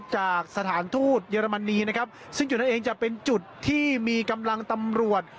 จากสถานทูตเยอรมนีนะครับซึ่งจุดนั้นเองจะเป็นจุดที่มีกำลังตำรวจ